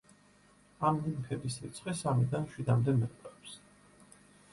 ამ ნიმფების რიცხვი სამიდან შვიდამდე მერყეობს.